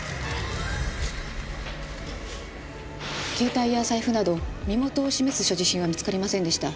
携帯や財布など身元を示す所持品は見つかりませんでした。